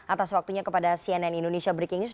atas waktunya kepada cnn indonesia breaking news